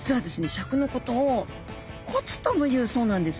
笏のことを「こつ」ともいうそうなんです。